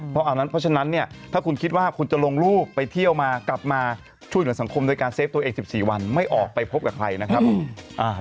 เพราะอันนั้นเพราะฉะนั้นเนี่ยถ้าคุณคิดว่าคุณจะลงรูปไปเที่ยวมากลับมาช่วยเหลือสังคมโดยการเฟฟตัวเอง๑๔วันไม่ออกไปพบกับใครนะครับ